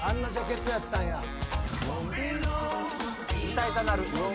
歌いたなる。